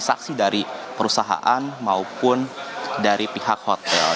saksi dari perusahaan maupun dari pihak hotel